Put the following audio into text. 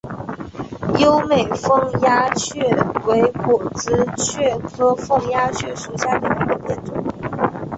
优美凤丫蕨为裸子蕨科凤丫蕨属下的一个变种。